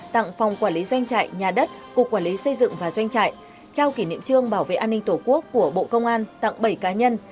tặng phòng quản lý doanh trại nhà đất cục quản lý xây dựng và doanh trại trao kỷ niệm trương bảo vệ an ninh tổ quốc của bộ công an tặng bảy cá nhân